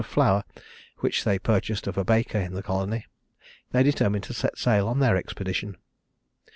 of flour, which they purchased of a baker in the colony, they determined to set sail on their expedition.